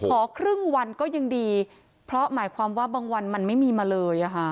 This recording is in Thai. ขอครึ่งวันก็ยังดีเพราะหมายความว่าบางวันมันไม่มีมาเลย